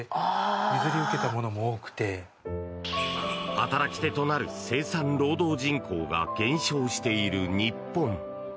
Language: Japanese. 働き手となる生産労働人口が減少している日本。